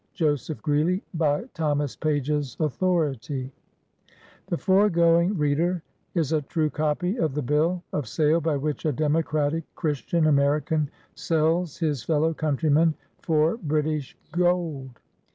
"JOSEPH GREELY, V By Thomas Page's authority." AN AMERICAN BONDMAN. 99 The foregoing, reader, is a true copy of the bill of sale by which a democratic, Christian American sells his fellow countryman for British gold.